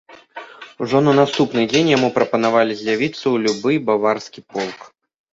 Ужо на наступны дзень яму прапанавалі з'явіцца ў любы баварскі полк.